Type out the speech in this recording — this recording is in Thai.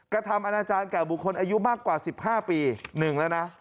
กระทำอาณาจารย์แก่บุคคลอายุมากกว่าสิบห้าปีหนึ่งแล้วนะ